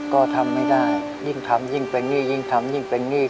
ก็ทำไม่ได้ยิ่งทำยิ่งเป็นหนี้ยิ่งทำยิ่งเป็นหนี้